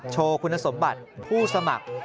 โชว์คุณสมบัติผู้สมัคร